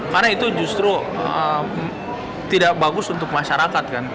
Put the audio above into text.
karena itu justru tidak bagus untuk masyarakat